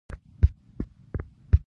هغوی د خدای تکویني سنتونه کشف کړي.